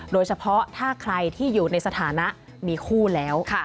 โดยเฉพาะถ้าใครที่อยู่ในสถานะมีคู่แล้ว